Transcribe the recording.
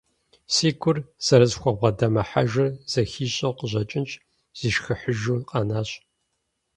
Си гур зэрысхубгъэдэмыхьэжыр зэхищӏэу къыщӏэкӏынщ, зишхыхьыжу къэнащ.